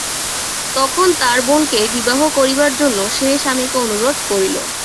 তখন তার বোনকে বিবাহ করিবার জন্য সে স্বামীকে অনুরোধ করিল।